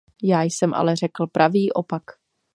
Já jsem ale řekl pravý opak.